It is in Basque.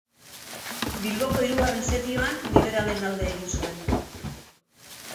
Bilboko hirugarren setioan liberalen alde egin zuen.